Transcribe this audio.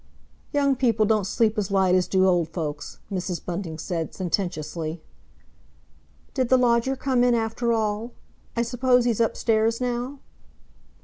"Young people don't sleep as light as do old folks," Mrs. Bunting said sententiously. "Did the lodger come in after all? I suppose he's upstairs now?"